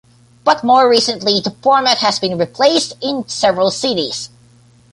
But more Recently, the format has been replaced in several cities.